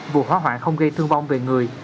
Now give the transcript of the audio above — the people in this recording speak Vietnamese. vụ hóa hoạn không gây thương vong về người